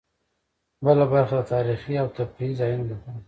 بله برخه د تاريخي او تفريحي ځایونو لپاره.